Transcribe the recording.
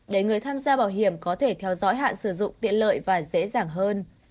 để người tham gia bảo hiểm có thể theo dõi hạn sử dụng tiện lợi và dễ dàng hơn